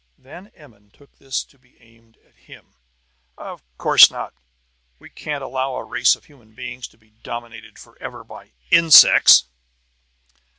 Van Emmon took this to be aimed at him. "Of course not! We can't allow a race of human beings to be dominated forever by insects!